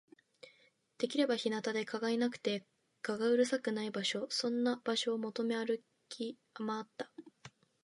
できれば日陰で、蚊がいなくて、蝉がうるさくない場所、そんな場所を求めて歩き回った